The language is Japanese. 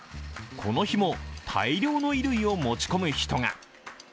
この日も、大量の衣類を持ち込む人が。